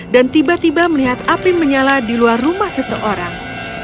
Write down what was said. dan tiba tiba melihat api menyala di luar rumah seseorang